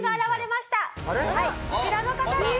はいこちらの方です。